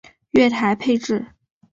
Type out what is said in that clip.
月台配置